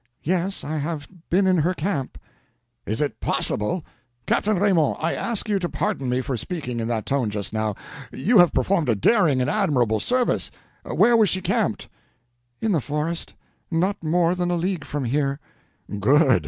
"Yes, I have been in her camp." "Is it possible! Captain Raymond, I ask you to pardon me for speaking in that tone just now. You have performed a daring and admirable service. Where was she camped?" "In the forest, not more than a league from here." "Good!